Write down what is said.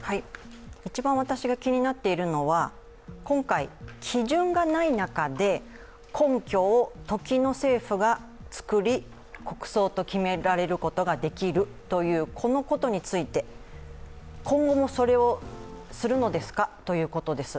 一番私が気になっているのは今回、基準がない中で根拠を時の政府が作り、国葬と決められることができるという、このことについて、今後もそれをするのですかということです。